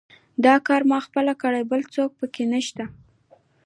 دا کار ما پخپله کړی، بل څوک پکې نشته.